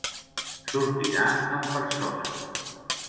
Sortirà en persona.